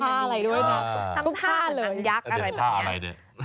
ทำท่าหนังยักษ์อะไรแบบนี้